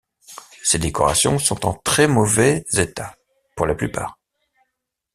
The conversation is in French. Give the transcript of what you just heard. Ses décorations sont en très mauvais état pour la plupart.